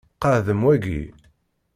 Qeɛdem waki.